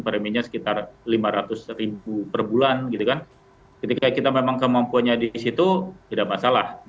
periminya sekitar lima ratus perbulan gitu kan ketika kita memang kemampuannya di situ tidak masalah